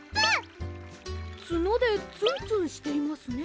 つのでツンツンしていますね。